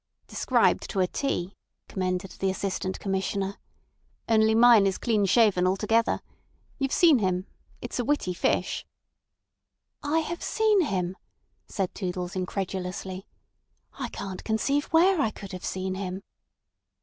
"Described to a T," commended the Assistant Commissioner. "Only mine is clean shaven altogether. You've seen him. It's a witty fish." "I have seen him!" said Toodles incredulously. "I can't conceive where I could have seen him."